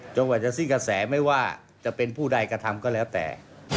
กว่าจะสิ้นกระแสไม่ว่าจะเป็นผู้ใดกระทำก็แล้วแต่